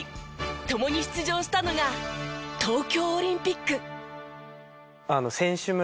共に出場したのが東京オリンピック。